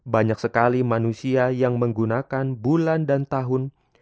banyak sekali manusia yang menggunakan bulan dan tahun